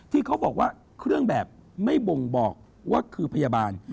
ที่เขาบอกว่าเครื่องแบบไม่บ่งบอกว่าคือพยาบาล